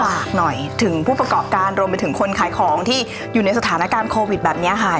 ฝากหน่อยถึงผู้ประกอบการรวมไปถึงคนขายของที่อยู่ในสถานการณ์โควิดแบบนี้ค่ะ